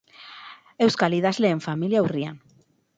Euskal idazleen familia urrian.